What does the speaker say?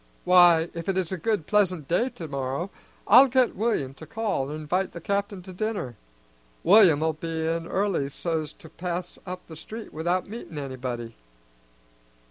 "Why, if it is a good pleasant day tomorrow, I'll get William to call an' invite the capt'in to dinner. William'll be in early so's to pass up the street without meetin' anybody."